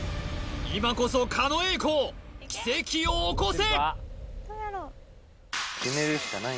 今こそ狩野英孝奇跡を起こせ